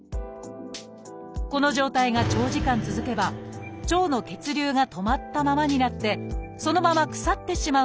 この状態が長時間続けば腸の血流が止まったままになってそのまま腐ってしまう可能性があります